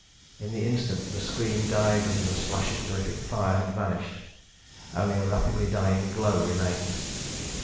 In the instant the scream died and the splash of terrific fire had vanished. Only a rapidly dying glow remained.